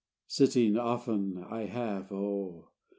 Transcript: XI Sitting often I have, oh!